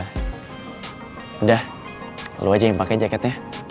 udah lo aja yang pake jaketnya